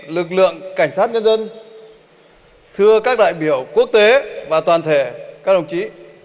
lực lượng cảnh sát nhân dân thưa các đại biểu quốc tế và toàn thể các đồng chí